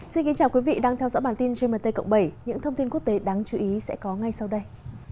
xin kính chào quý vị đang theo dõi bản tin gmt cộng bảy những thông tin quốc tế đáng chú ý sẽ có ngay sau đây